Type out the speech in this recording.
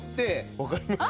わかります？